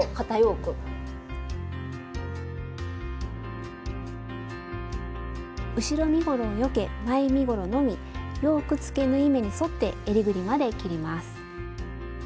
スタジオ後ろ身ごろをよけ前身ごろのみヨークつけ縫い目に沿ってえりぐりまで切ります。